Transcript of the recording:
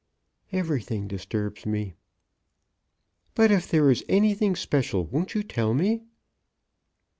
"Everything disturbs me." "But if there is anything special, won't you tell me?"